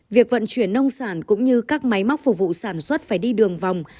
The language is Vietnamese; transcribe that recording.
việc vận chuyển nông sản cũng như các máy móc phục vụ sản xuất phải đi đường vòng